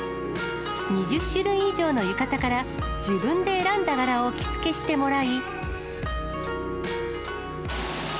２０種類以上の浴衣から、自分で選んだ柄を着付けしてもらい。